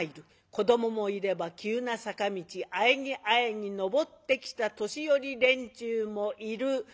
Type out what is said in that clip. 子どももいれば急な坂道あえぎあえぎ登ってきた年寄り連中もいる。